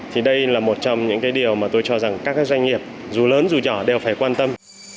thì đây là một trong những điều mà tôi cho rằng các doanh nghiệp dù lớn dù nhỏ đều phải quan tâm